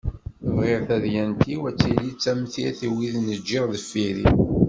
Bɣiɣ tadyant-iw ad tili d tamsirt i wid i n-ǧǧiɣ deffir-i.